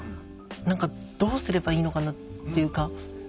何かどうすればいいのかなっていうか。